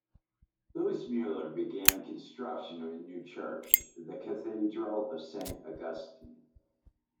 Louis Mueller began construction on a new church, the Cathedral of Saint Augustine.